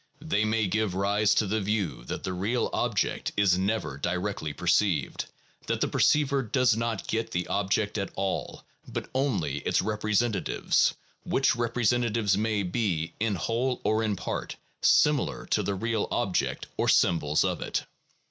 They may give rise to the view that the real object is never directly perceived, that the perceiver does not get the object at all but only its representatives, which representatives may be, in whole or in part, similar to the real object, or symbols of it.